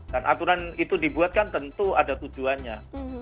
dan aturan itu dibuatkan tentu ada tujuannya